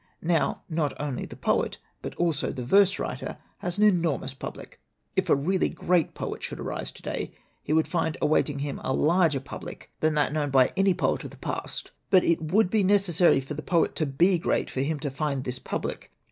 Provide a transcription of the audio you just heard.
Now not only the poet, but also the verse writer has an enormous public. If a really great poet should arise to day he would find awaiting him a larger public than that known by any poet of the past. But it would be necessary for the poet to be great for him to find this public.